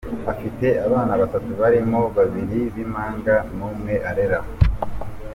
Afite abana batatu barimo babiri b’impanga n’umwe arera.